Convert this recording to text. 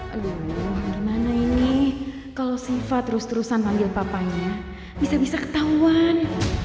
aduh gimana ini kalau siva terus terusan panggil papanya bisa bisa ketahuan